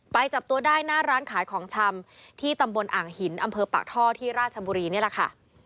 จับตัวได้หน้าร้านขายของชำที่ตำบลอ่างหินอำเภอปากท่อที่ราชบุรีนี่แหละค่ะ